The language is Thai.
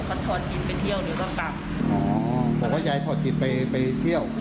เขาถอดกินไปเที่ยวหนึ่งก็กลับอ๋อบอกว่ายายถอดจิตไปไปเที่ยว